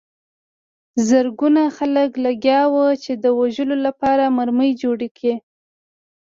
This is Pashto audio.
زرګونه خلک لګیا وو چې د وژلو لپاره مرمۍ جوړې کړي